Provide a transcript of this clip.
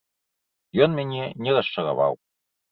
Ён мяне не расчараваў.